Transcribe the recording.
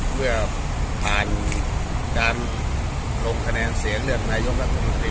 เมื่อผ่านการลงคะแนนเสียงเลือกนายกรัฐมนตรี